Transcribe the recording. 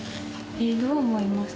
どう思いますか？